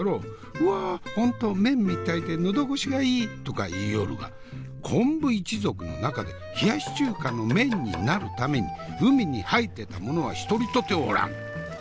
「うわ本当麺みたいで喉越しがいい！」とか言いよるが昆布一族の中で冷やし中華の麺になるために海に生えてたものは一人とておらん！